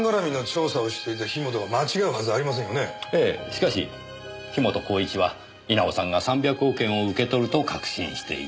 しかし樋本晃一は稲尾さんが３００億円を受け取ると確信していた。